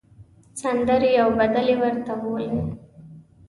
سندرې او بدلې ورته بولۍ.